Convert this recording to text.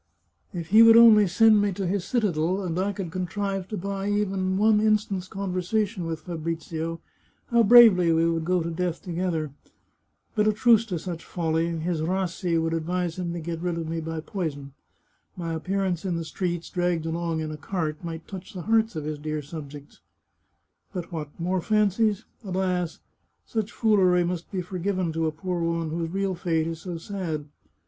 If he would only send me to his citadel, and I could contrive to buy even one instant's conversation with Fabrizio, how bravely we would go to death together ! But a truce to such folly— his Rassi would advise him to get rid of me by poison. My appearance in the streets, dragged along in a cart, might touch the hearts of his dear subjects ... but what! more fancies? Alas! such foolery must be forgiven to a poor woman whose real fate is so sad.